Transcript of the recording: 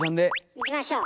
いきましょう。